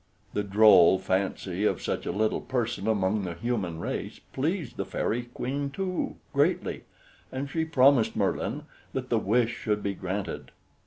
The droll fancy of such a little person among the human race pleased the fairy queen too, greatly, and she promised Merlin that the wish should be granted.